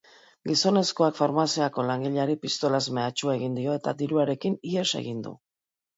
Gizonezkoak farmaziako langileari pistolaz mehatxu egin dio eta diruarekin ihes egin du.